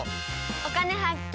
「お金発見」。